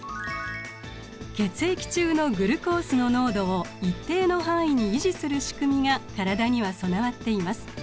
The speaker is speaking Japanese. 血液中のグルコースの濃度を一定の範囲に維持する仕組みが体には備わっています。